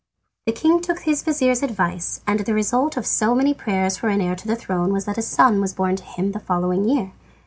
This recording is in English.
The king took his vizir's advice, and the result of so many prayers for an heir to the throne was that a son was born to him the following year.